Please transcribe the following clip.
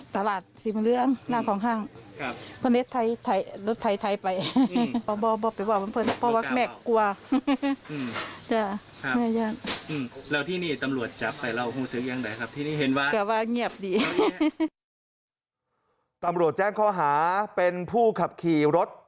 ตำรวจแจ้งข้อหาเป็นผู้ขับขี่รถ